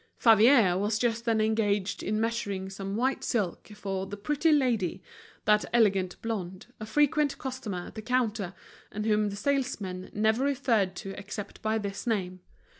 Favier was just then engaged in measuring some white silk for "the pretty lady," that elegant blonde, a frequent customer at the counter, and whom the salesmen never referred to except by this name.